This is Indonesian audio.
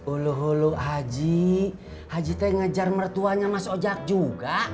ulu hulu haji haji teh ngejar mertuanya mas ojak juga